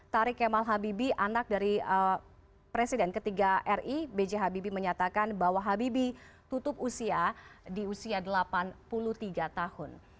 tarik kemal habibi anak dari presiden ketiga ri b j habibie menyatakan bahwa habibi tutup usia di usia delapan puluh tiga tahun